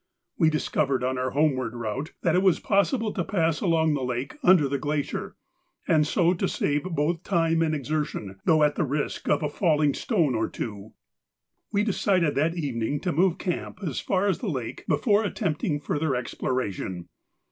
We discovered on our homeward route that it was possible to pass along the lake under the glacier, and so to save both time and exertion, though at the risk of a falling stone or two. We decided that evening to move camp as far as the lake before attempting further exploration.